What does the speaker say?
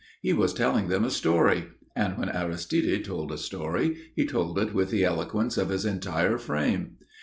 He was telling them a story and when Aristide told a story, he told it with the eloquence of his entire frame.